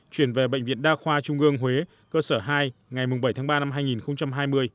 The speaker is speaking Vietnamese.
chuyển về bệnh viện đa khoa trung ương huế cơ sở hai ngày bảy tháng ba năm hai nghìn hai mươi